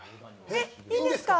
えっ、いいんですか？